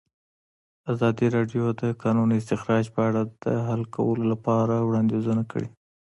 ازادي راډیو د د کانونو استخراج په اړه د حل کولو لپاره وړاندیزونه کړي.